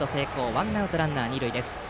ワンアウトランナー、二塁です。